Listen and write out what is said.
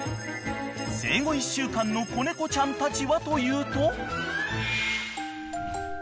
［生後１週間の子猫ちゃんたちはというと］